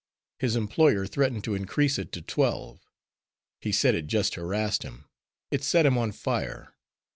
His employer threatened to increase it to twelve. He said it just harassed him; it set him on fire.